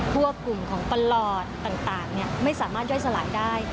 พวกกลุ่มของประหลอดต่างไม่สามารถย่อยสลายได้